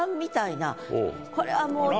これはもうはい。